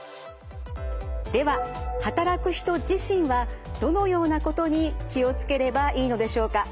では働く人自身はどのようなことに気を付ければいいのでしょうか？